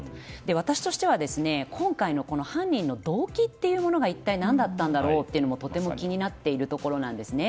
私としては今回の犯人の動機が一体何だったんだろうと、とても気になっているところなんですね。